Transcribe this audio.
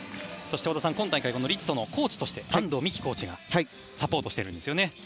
織田さん、今大会リッツォのコーチとして安藤美姫さんがサポートしているんですよね。